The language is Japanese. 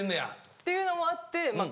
っていうのもあってまあ